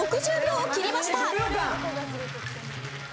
６０秒を切りました。